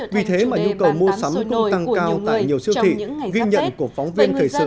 vì thế mà nhu cầu mua sắm tăng cao tại nhiều siêu thị ghi nhận của phóng viên thời sự